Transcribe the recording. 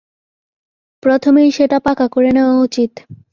প্রথমেই সেটা পাকা করে নেওয়া উচিত।